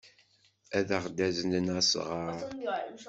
Ad aɣ-d-aznen asɣar.